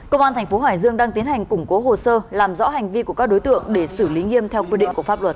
công an thành phố hải dương đang tiến hành củng cố hồ sơ làm rõ hành vi của các đối tượng để xử lý nghiêm theo quy định của pháp luật